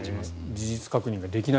事実確認ができない。